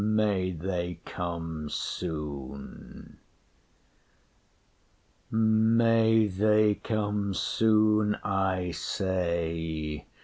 May they come soon! May they come soon, I say.